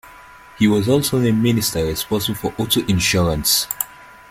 He was also named Minister Responsible for Auto Insurance.